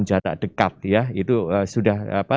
jarak dekat ya itu sudah